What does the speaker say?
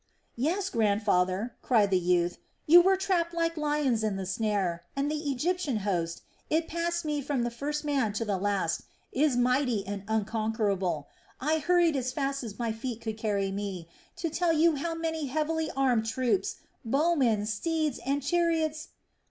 "Yes, grandfather!" cried the youth. "You were trapped like lions in the snare, and the Egyptian host it passed me from the first man to the last is mighty and unconquerable. I hurried as fast as my feet could carry me to tell you how many heavily armed troops, bowmen, steeds, and chariots...."